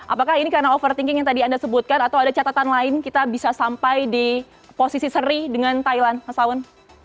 apakah ini karena overthinking yang tadi anda sebutkan atau ada catatan lain kita bisa sampai di posisi seri dengan thailand mas aun